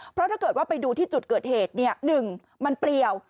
เพราะถ้าเกิดว่าไปดูที่จุดเกิดเหตุเนี่ยหนึ่งมันเปรียว